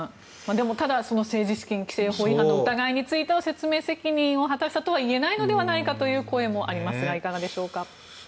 でも、ただ政治資金規正法違反の疑いについては説明責任を果たしたとは言えないのではないかという声もありますがいかがでしょうか。